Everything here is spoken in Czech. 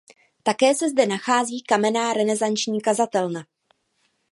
Také se zde nachází kamenná renesanční kazatelna.